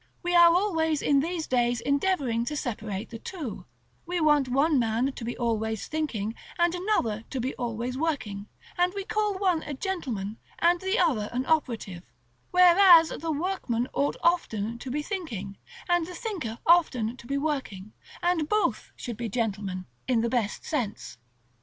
We are always in these days endeavoring to separate the two; we want one man to be always thinking, and another to be always working, and we call one a gentleman, and the other an operative; whereas the workman ought often to be thinking, and the thinker often to be working, and both should be gentlemen, in the best sense.